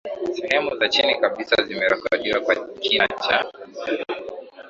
Sehemu za chini kabisa zimerekodiwa kwa kina cha